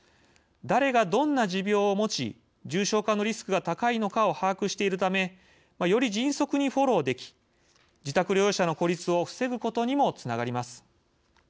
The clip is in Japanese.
誰がどんな持病を持ち重症化のリスクが高いのかを把握しているためより迅速にフォローでき自宅療養者の孤立を防ぐことにもつながります。